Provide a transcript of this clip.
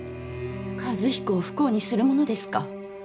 和彦を不幸にするものですか。